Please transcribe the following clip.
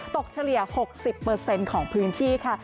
เฉลี่ย๖๐ของพื้นที่ค่ะ